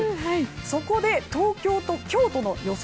そこで、東京と京都の予想